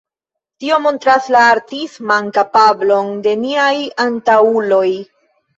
Tio montras la artisman kapablon de niaj antaŭuloj.